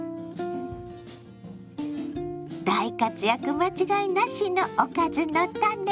大活躍間違いなしの「おかずのタネ」。